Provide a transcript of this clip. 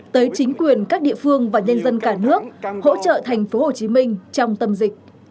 tới chính quyền các địa phương và nhân dân cả nước hỗ trợ thành phố hồ chí minh trong tâm dịch